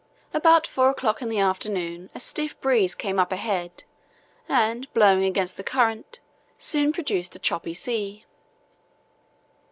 About four o'clock in the afternoon a stiff breeze came up ahead and, blowing against the current, soon produced a choppy sea.